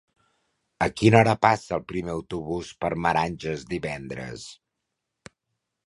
A quina hora passa el primer autobús per Meranges divendres?